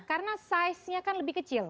karena saiznya kan lebih kecil